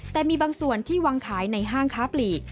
แต่มีบางส่วนที่วางขายในห้างค้าปลีก